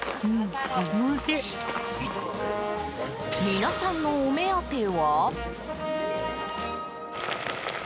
皆さんのお目当ては。